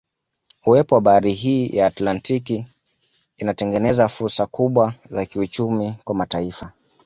Uwepo wa bahari hii ya Atlantiki inatengeneza fursa kubwa za kiuchumi kwa mataifa